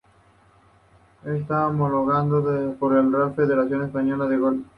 Está homologado por la Real Federación Española de Golf.